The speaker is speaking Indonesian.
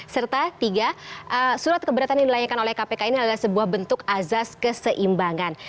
serta tiga surat keberatan yang dilanyakan oleh kpk ini adalah sebuah bentuk azas keseimbangan